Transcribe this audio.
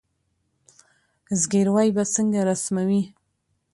زګیروي به څنګه رسموي